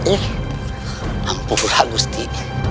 eh ampulah gusti